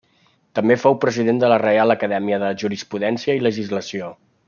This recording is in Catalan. També fou president de la Reial Acadèmia de Jurisprudència i Legislació.